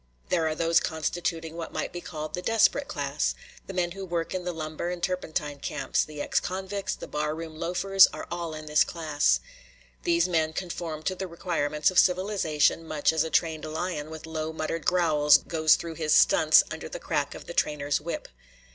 There are those constituting what might be called the desperate class the men who work in the lumber and turpentine camps, the ex convicts, the bar room loafers are all in this class. These men conform to the requirements of civilization much as a trained lion with low muttered growls goes through his stunts under the crack of the trainer's whip.